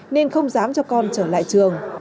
nên không dám cho con trở lại trường